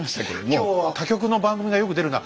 今日は他局の番組がよく出るな。